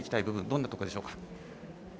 部分どんなところでしょうか。